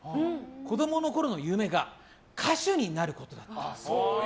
子供のころの夢が歌手になることだった。